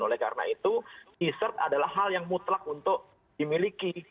oleh karena itu desert adalah hal yang mutlak untuk dimiliki